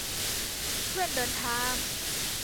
เพื่อนเดินทาง